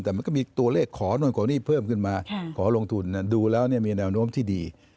แต่มันก็มีตัวเลขขอนู่นขอนี่เพิ่มขึ้นมาขอลงทุนดูแล้วมีแนวโน้มที่ดี